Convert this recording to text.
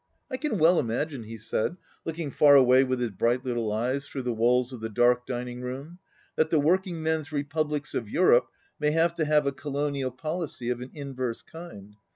I can well imagine," he said, looking far away with his bright little eyes through the walls of the dark dining room, "'that the work ing men's republics of Europe may have to have a colonial policy of an inverse kind.